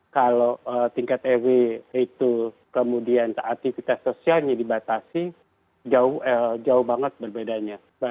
kalau tingkat rw itu kemudian aktivitas sosialnya dibatasi jauh banget berbedanya